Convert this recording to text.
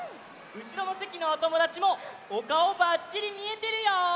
うしろのせきのおともだちもおかおバッチリみえてるよ！